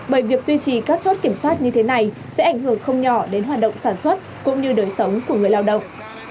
bởi việc duy trì các chốt kiểm soát như thế này sẽ ảnh hưởng không nhỏ đến hoạt động sản xuất cũng như đời sống của người lao động